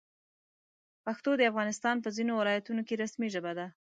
پښتو د افغانستان په ځینو ولایتونو کې رسمي ژبه ده.